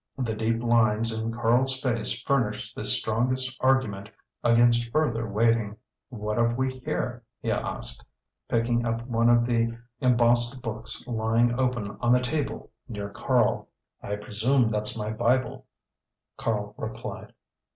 The deep lines in Karl's face furnished the strongest argument against further waiting. "What have we here?" he asked, picking up one of the embossed books lying open on the table near Karl. "I presume that's my Bible," Karl replied.